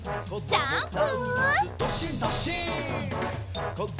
ジャンプ！